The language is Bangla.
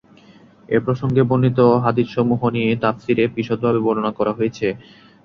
এ প্রসঙ্গে বর্ণিত হাদীসসমূহ নিয়ে তাফসীরে বিশদভাবে বর্ণনা করা হয়েছে।